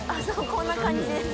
こんな感じです